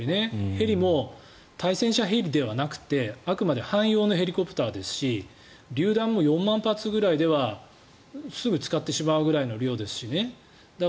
ヘリも対戦車ヘリではなくてあくまで汎用性のヘリですしりゅう弾も４万発ぐらいではすぐ使ってしまうぐらいの量ですしね。